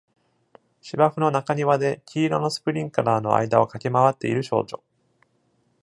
芝生の中庭で黄色のスプリンクラーの間を駆け回っている少女。